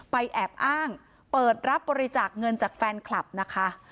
แอบอ้างเปิดรับบริจาคเงินจากแฟนคลับนะคะ